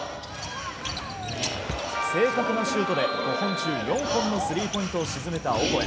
正確なシュートで５本中４本のスリーポイントを沈めたオコエ。